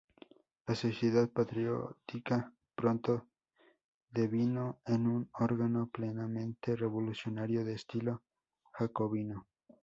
La Sociedad Patriótica, pronto devino en un órgano plenamente revolucionario de estilo jacobino.